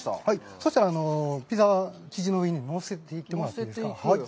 そうしたら、ピザ生地の上にのせていってもらっていいですか。